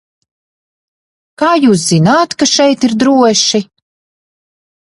Kā jūs zināt, ka šeit ir droši?